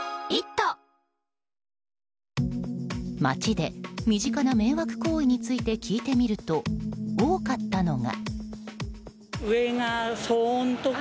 街で身近な迷惑行為について聞いてみると多かったのが。